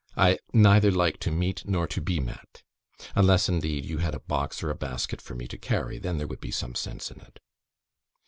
I neither like to meet, nor to be met. Unless, indeed, you had a box or a basket for me to carry; then there would be some sense in it.